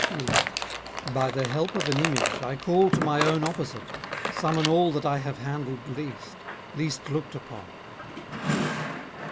ILLE By the help of an image I call to my own opposite, summon all That I have handled least, least looked upon.